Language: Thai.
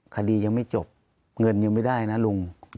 คดียังไม่จบเงินยังไม่ได้นะลุง